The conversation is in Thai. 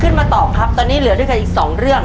ขึ้นมาตอบครับตอนนี้เหลือด้วยกันอีกสองเรื่อง